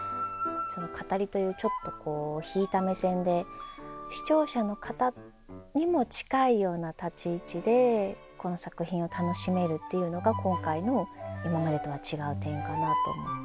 語りというちょっとこう引いた目線で視聴者の方にも近いような立ち位置でこの作品を楽しめるっていうのが今回の今までとは違う点かなと思って。